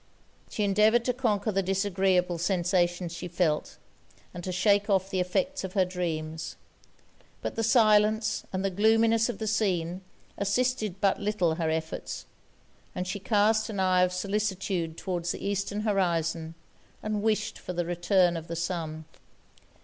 She endeavoured to conquer the disagreeable sensations she felt, and to shake off the effects of her dreams; but the silence, and the gloominess of the scene, assisted but little her efforts, and she cast an eye of solicitude towards the Eastern horizon, and wished for the return of the sun.